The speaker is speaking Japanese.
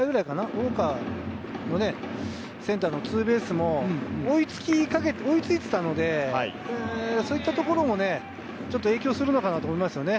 ウォーカーのセンターのツーベースも追いつきかけて、追いついていたので、そういったところもちょっと影響するのかなと思いますよね。